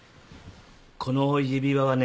この指輪はね。